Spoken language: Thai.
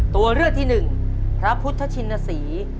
ตัวเลือกที่หนึ่งพระพุทธชินศรี